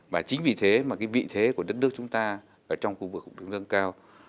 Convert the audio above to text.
và chính vì thế mà vị thế của đất nước chúng ta ở trong khu vực cũng nâng cao